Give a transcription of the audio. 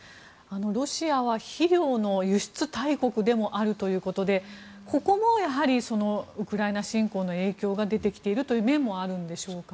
ロシアは肥料の輸出大国でもあるということでここがウクライナ侵攻の影響が出てきているという面もあるんでしょうか。